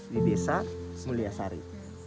di desa muliasari